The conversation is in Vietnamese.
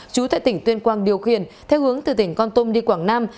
chú tại tỉnh tuyên quang điều khiển theo hướng từ tỉnh con tum đi quảng nam